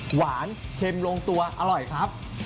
หวานเค็มลงตัวอร่อยครับ